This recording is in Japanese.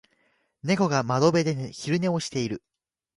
猫が窓辺で昼寝をしている。